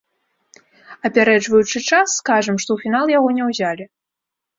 Апярэджваючы час, скажам, што ў фінал яго не ўзялі.